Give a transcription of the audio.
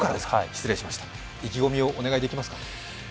失礼しました、意気込みをお願いできますか。